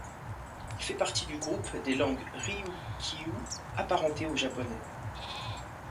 Il fait partie du groupe des langues ryukyu, apparentées au japonais.